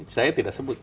saya tidak sebut